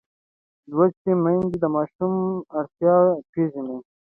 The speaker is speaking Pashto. لوستې میندې د ماشوم اړتیاوې پېژني.